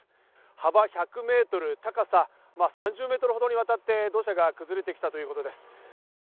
幅１００メートル、高さ３０メートルほどにわたって土砂が崩れてきたということです。